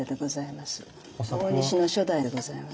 大西の初代でございます。